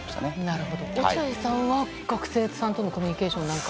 なるほど、落合さんは、学生さんとのコミュニケーション、なんか？